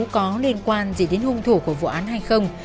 có liên quan gì đến hung thủ của vụ án hay không